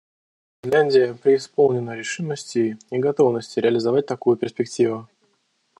Финляндия преисполнена решимости и готовности реализовать такую перспективу.